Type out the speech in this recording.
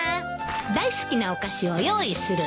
大好きなお菓子を用意する。